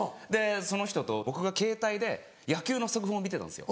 その人と僕がケータイで野球の速報見てたんですよ。